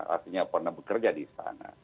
artinya pernah bekerja di istana